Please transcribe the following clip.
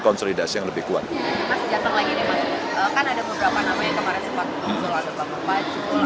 konsolidasi yang lebih kuat mas jatuh lagi deh mas kan ada beberapa namanya kemarin sempat dikonsol